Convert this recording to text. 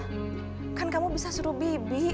hah kan kamu bisa suruh bibi